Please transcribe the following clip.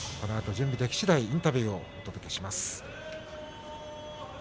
準備ができしだいインタビューをお届けします。